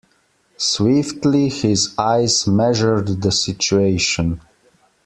Swiftly his eyes measured the situation.